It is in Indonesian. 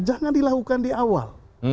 jangan dilakukan di awal